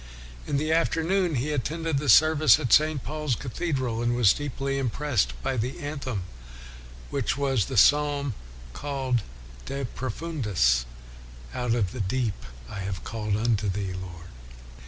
1 In the afternoon, he attended the service at St. Paul's Cathedral, and was deeply impressed by the anthem, which 3 o8 WESLEY was the psalm called De Profundis " Out of the deep have I called unto thee, Lord."